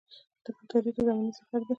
تاریخ د زمانې سفر دی.